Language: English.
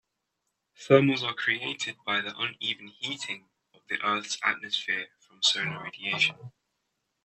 Thermals are created by the uneven heating of the Earth's surface from solar radiation.